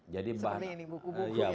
seperti ini buku buku yang tercetak